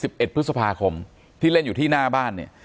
เอ็ดพฤษภาคมที่เล่นอยู่ที่หน้าบ้านเนี่ย